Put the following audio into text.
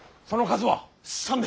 その数は。